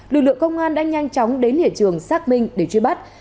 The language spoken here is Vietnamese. lực lượng công an đã nhanh chóng đến hệ trường sác minh để truy bắt